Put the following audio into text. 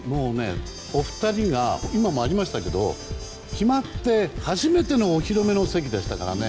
お二人が今もありましたけど決まって初めてのお披露目の席でしたからね。